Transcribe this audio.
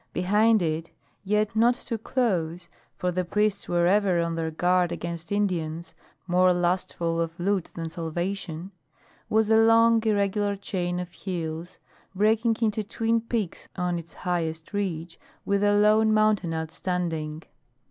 Behind it, yet not too close, for the priests were ever on their guard against Indians more lustful of loot than salvation, was a long irregular chain of hills, breaking into twin peaks on its highest ridge, with a lone mountain outstanding.